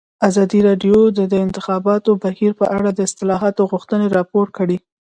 ازادي راډیو د د انتخاباتو بهیر په اړه د اصلاحاتو غوښتنې راپور کړې.